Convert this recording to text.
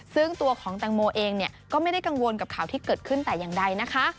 ซึ่งตัวของตังโมเองเนี่ยก็ไม่ได้กังวลกับข่าวที่เกิดขึ้นแต่ยังใด